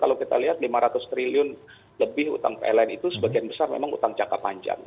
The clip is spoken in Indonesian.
kalau kita lihat lima ratus triliun lebih utang pln itu sebagian besar memang utang jangka panjang